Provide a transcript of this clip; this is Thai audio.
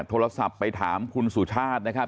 โทรศัพท์ไปถามคุณสุชาตินะครับ